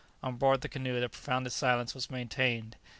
On board the canoe the profoundest silence was maintained.